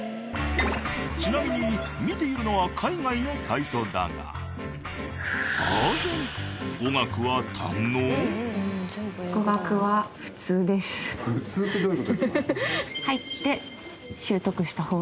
ちなみに見ているのは海外のサイトだが当然普通ってどういう事ですか？